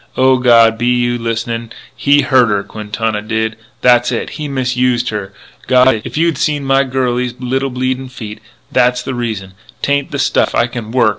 O God, be you listenin'? He hurt her, Quintana did. That's it. He misused her.... God, if you had seen my girlie's little bleeding feet! That's the reason.... 'Tain't the stuff. I can work.